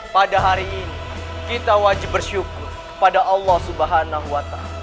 pada hari ini kita wajib bersyukur kepada allah swt